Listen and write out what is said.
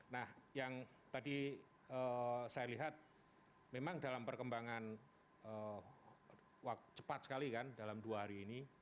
nah yang tadi saya lihat memang dalam perkembangan cepat sekali kan dalam dua hari ini